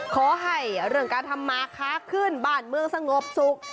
ขอให้เรื่องการทำมาค้าขึ้นบ้านเมืองสงบสุข